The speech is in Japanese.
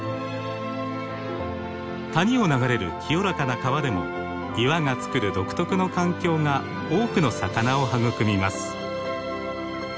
谷を流れる清らかな川でも岩がつくる独特の環境が多くの魚を育みます。